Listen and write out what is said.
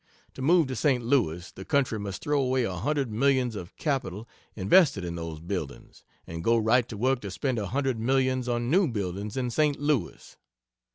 To move to St. Louis, the country must throw away a hundred millions of capital invested in those buildings, and go right to work to spend a hundred millions on new buildings in St. Louis.